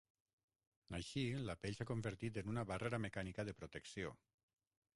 Així la pell s'ha convertit en una barrera mecànica de protecció.